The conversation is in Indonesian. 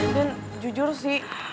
dan jujur sih